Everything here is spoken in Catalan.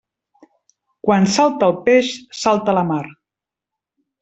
Quan salta el peix, salta la mar.